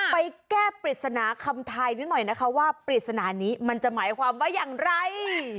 ไปแก้ปริศนาคำทายนิดหน่อยนะคะว่าปริศนานี้มันจะหมายความว่าอย่างไร